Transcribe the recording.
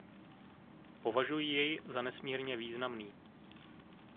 Považuji jej za nesmírně významný.